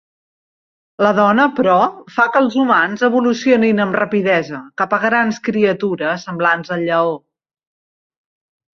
La dona, però, fa que els humans "evolucionin amb rapidesa" cap a grans criatures semblants al lleó.